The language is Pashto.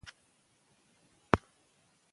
که اخلاق وي نو جنګ نه کیږي.